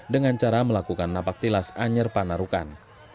dengan cara melakukan napak tilas anyer panarukan